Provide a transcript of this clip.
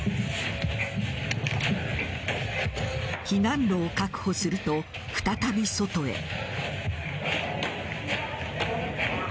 避難路を確保すると、再び外へ。